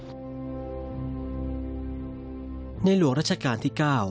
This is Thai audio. หลวงรัชกาลที่๙